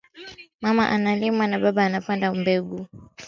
Mama analima na Baba anapanda mbegu.